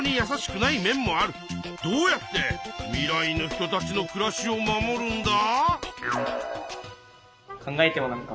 どうやって未来の人たちの暮らしを守るんだ？